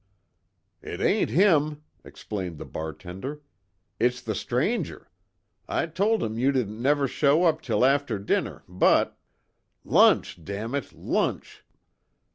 "It ain't him," explained the bartender, "It's the stranger, I told him you didn't never show up till after dinner, but " "_Lunch! Damn it! Lunch!